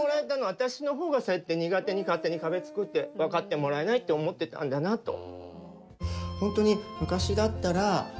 私のほうがそうやって苦手に、勝手に壁作って分かってもらえないって思ってたんだなと。